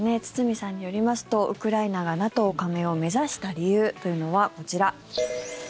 堤さんによりますとウクライナがＮＡＴＯ加盟を目指した理由というのは、こちら。